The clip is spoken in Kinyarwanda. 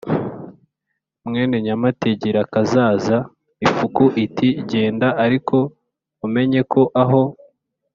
mwene nyamutegerakazaza." ifuku ziti: "genda ariko umenye ko aho